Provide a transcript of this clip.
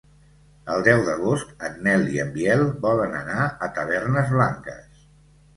El deu d'agost en Nel i en Biel volen anar a Tavernes Blanques.